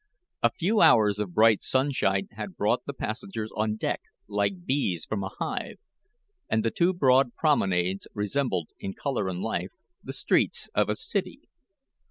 A few hours of bright sunshine had brought the passengers on deck like bees from a hive, and the two broad promenades resembled, in color and life, the streets of a city.